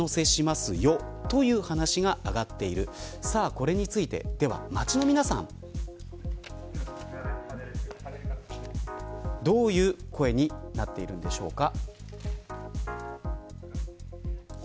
これについて、街の皆さんどういう声になっているんでしょうか。